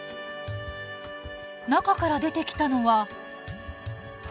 中から出てきたのは鶏肉！？